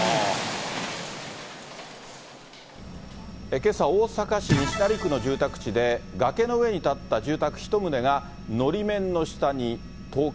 けさ、大阪市西成区の住宅地で、崖の上に建った住宅１棟が、のり面の下に倒壊。